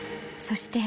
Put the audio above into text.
そして。